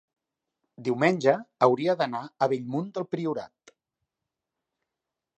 diumenge hauria d'anar a Bellmunt del Priorat.